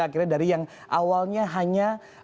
akhirnya dari yang awalnya hanya